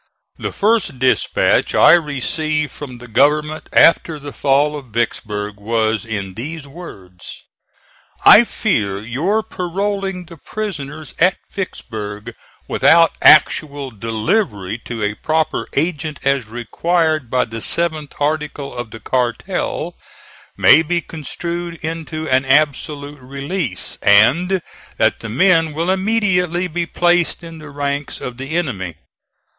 The first dispatch I received from the government after the fall of Vicksburg was in these words: "I fear your paroling the prisoners at Vicksburg, without actual delivery to a proper agent as required by the seventh article of the cartel, may be construed into an absolute release, and that the men will immediately be placed in the ranks of the enemy.